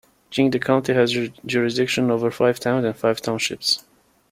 Jingde County has jurisdiction over five towns and five townships.